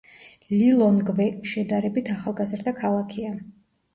ლილონგვე შედარებით ახალგაზრდა ქალაქია.